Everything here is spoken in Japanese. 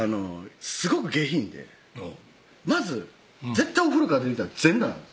すごく下品でまず絶対お風呂から出てきたら全裸なんです